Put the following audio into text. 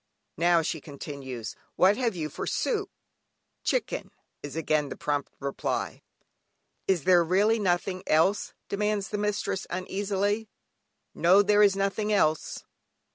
"Now," she continues, "what have you for soup?" "Chicken" is again the prompt reply. "Is there really nothing else?" demands the mistress uneasily. "No, there is nothing else."